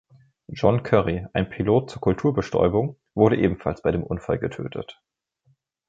John Curry, ein Pilot zur Kulturbestäubung, wurde ebenfalls bei dem Unfall getötet.